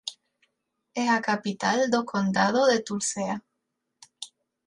É a capital do condado de Tulcea.